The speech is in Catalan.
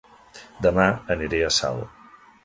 Dema aniré a Salt